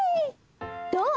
どう？